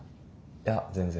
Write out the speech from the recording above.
いや全然。